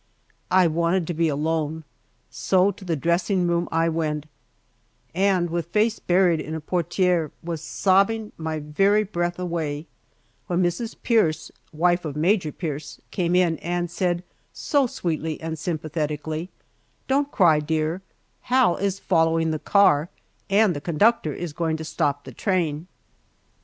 I wanted to be alone, so to the dressing room I went, and with face buried in a portiere was sobbing my very breath away when Mrs. Pierce, wife of Major Pierce, came in and said so sweetly and sympathetically: "Don't cry, dear; Hal is following the car and the conductor is going to stop the train."